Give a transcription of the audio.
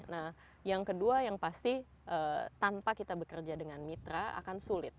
nah yang kedua yang pasti tanpa kita bekerja dengan mitra akan sulit